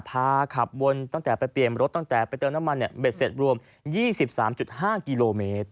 พาขับวนตั้งแต่ไปเปลี่ยนรถตั้งแต่ไปเติมน้ำมันเบ็ดเสร็จรวม๒๓๕กิโลเมตร